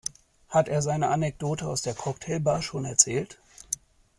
Hat er seine Anekdote aus der Cocktailbar schon erzählt?